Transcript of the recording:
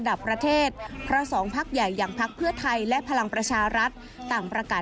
ได้ระดมขุนคนลงพื้นที่ขึ้นเวทีประไสต์อย่างพร้อมหน้า